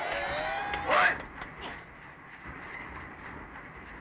おい！